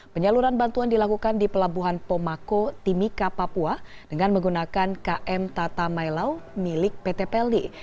penyaluran bantuan dilakukan di pelabuhan pomako timika papua dengan menggunakan km tata mailau milik pt peldi